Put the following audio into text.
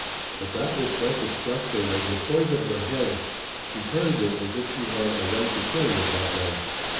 But that which best expressed her was the poise of her head. She carried it as if she had a right to carry it that way.